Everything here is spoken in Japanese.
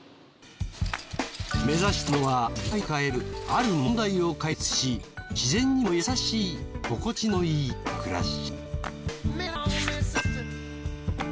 目指したのは業界の抱えるある問題を解決し自然にも優しい心地のいい暮らし。